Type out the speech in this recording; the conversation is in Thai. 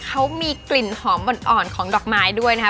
เขามีกลิ่นหอมอ่อนของดอกไม้ด้วยนะคะ